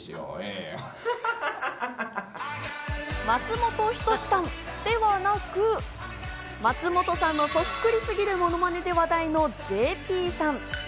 松本人志さんではなく、松本さんのそっくりすぎるものまねで話題のＪＰさん。